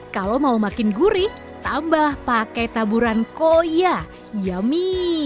kalau mau makin gurih tambah pakai taburan koya yummy